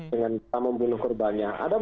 dengan membunuh korbannya